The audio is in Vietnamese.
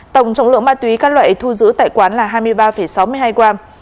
tổng trọng lượng ma túy các loại thu giữ tại quán là hai mươi ba sáu mươi hai g